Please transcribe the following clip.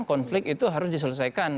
konflik itu harus diselesaikan